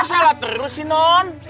salah terus sih non